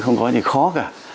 không có gì khó cả